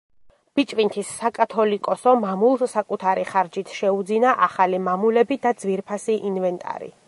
ბიჭვინთის საკათოლიკოსო მამულს საკუთარი ხარჯით შეუძინა ახალი მამულები და ძვირფასი ინვენტარი.